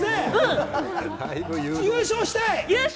優勝したい？